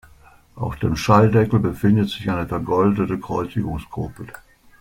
Auf dem Schalldeckel befindet sich eine vergoldete Kreuzigungsgruppe.